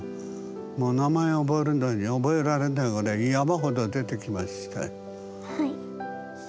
もう名前覚えるのに覚えられないぐらい山ほど出てきましたよ。